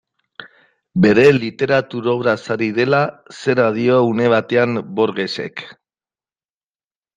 Bere literatur obraz ari dela, zera dio une batean Borgesek.